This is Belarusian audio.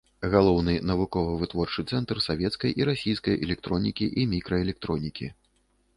Галоўны навукова-вытворчы цэнтр савецкай і расійскай электронікі і мікраэлектронікі.